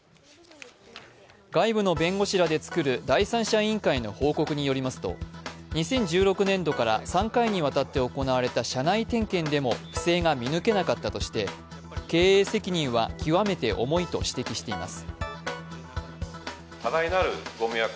外部の弁護士らでつくる第三者委員会の報告によりますと、２０１６年度から３回にわたって行われた社内点検でも不正が見抜けなかったとして、経営責任は極めて重いと指摘しています。